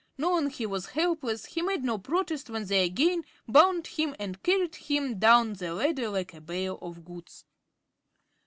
Knowing he was helpless, he made no protest when they again bound him and carried him down the ladder like a bale of goods.